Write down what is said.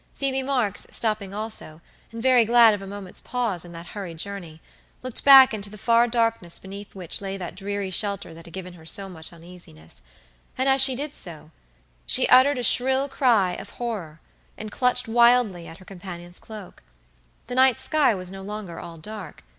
Phoebe Marks, stopping also, and very glad of a moment's pause in that hurried journey, looked back into the far darkness beneath which lay that dreary shelter that had given her so much uneasiness. And she did so, she uttered a shrill cry of horror, and clutched wildly at her companion's cloak. The night sky was no longer all dark.